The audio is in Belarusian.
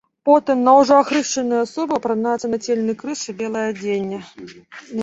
Потым на ўжо ахрышчаную асобу апранаецца нацельны крыж і белае адзенне.